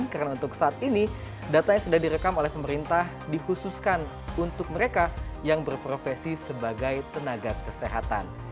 karena untuk saat ini datanya sudah direkam oleh pemerintah dikhususkan untuk mereka yang berprofesi sebagai tenaga kesehatan